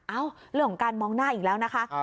เอ้าเรื่องของการมองหน้าอีกแล้วนะคะ